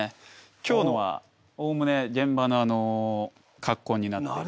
今日のはおおむね現場の格好になっていて。